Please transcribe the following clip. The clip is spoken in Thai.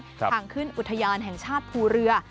ทางขึ้นอุทยานแห่งชาติภูเรือ